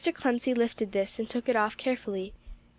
Clemcy lifted this, and took it off carefully.